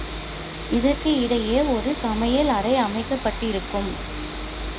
இதற்கு இடையே ஒரு சமையல் அறை அமைக்கப்பட்டிருக்கும்.